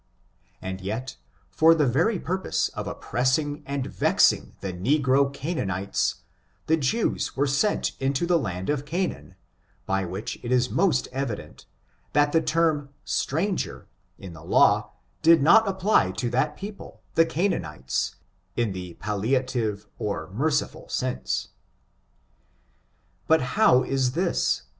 And yet for the very purpose of oppressing and vexing the negro Canaan ites, the Jews were sent into the land of Canaan, by which it is most evident, that the term 'stranger in the law did not apply to that people, the Canaanites, in the palliative or merciful sense. But how is this